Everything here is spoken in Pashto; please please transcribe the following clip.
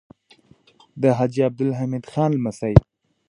د حاجي عبدالمجید خان لمسی دی.